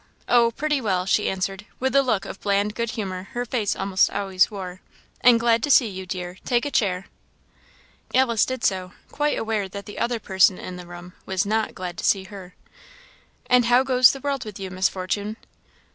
oh!, pretty well!" she answered, with the look of bland good humour her face almost always wore "and glad to see you, dear. Take a chair." Alice did so, quite aware that the other person in the room was not glad to see her. "And how goes the world with you, Miss Fortune?"